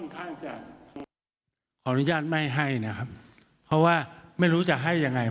ท่านจะขออนุญาตไม่ให้นะครับเพราะว่าไม่รู้จะให้ยังไง